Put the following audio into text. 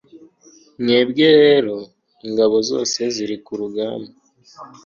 mwebwe rero, ingabo zose ziri ku rugamba